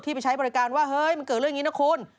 ไปใช้บริการว่าเฮ้ยมันเกิดเรื่องนี้นะคุณ